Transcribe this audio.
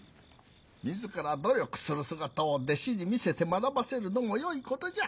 自ら努力する姿を弟子に見せて学ばせるのもよいことじゃ。